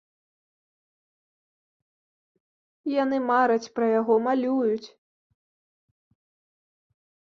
Яны мараць пра яго, малююць.